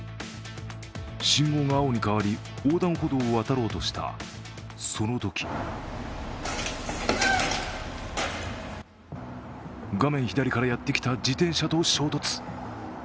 信号が青に変わり、横断歩道を渡ろうとしたそのとき画面左からやってきた自転車と衝突。